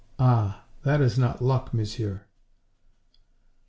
Ah, that is not luck, Monsieur.